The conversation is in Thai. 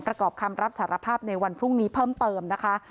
ประกอบคำรับสารภาพในวันพรุ่งนี้เพิ่มเติมนะคะ